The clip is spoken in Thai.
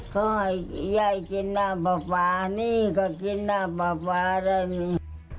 เขาให้ยายกินน้ำปลานี่ก็กินน้ำปลาได้มี